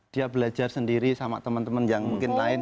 dia belajar sendiri sama teman teman yang mungkin lain